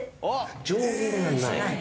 上限がない？